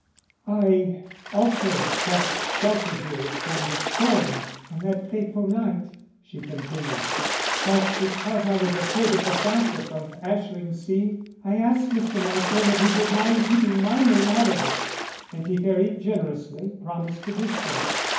"I also sought shelter here from the storm on that fateful night," she continued. "But because I was afraid of the gossip of Ashlingsea I asked Mr. Marsland if he would mind keeping my name out of it. And he very generously promised to do so."